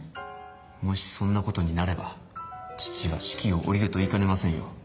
もしそんなことになれば父は指揮を降りると言いかねませんよ。